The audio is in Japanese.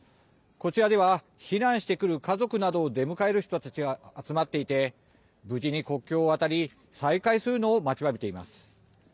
こちらでは、避難してくる家族などを出迎える人たちが集まっていて無事に国境を渡り再会するのを待ちわびています。